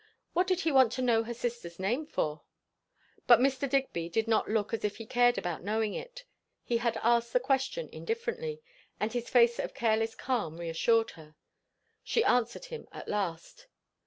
What did he want to know her sister's name for? But Mr. Digby did not look as if he cared about knowing it; he had asked the question indifferently, and his face of careless calm reassured her. She answered him at last.